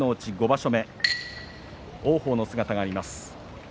５場所目王鵬の姿があります。